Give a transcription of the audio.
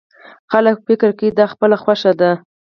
خلک فکر کوي دا خپله خوښه ده.